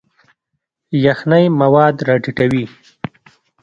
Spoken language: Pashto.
یخنۍ مواد راټیټوي.